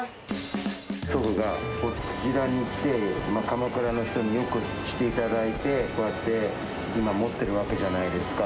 祖父がこちらに来て、鎌倉の人によくしていただいて、こうやって今もってるわけじゃないですか。